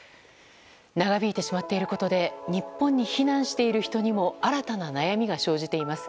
長引いてしまっていることで日本に避難している人にも新たな悩みが生じています。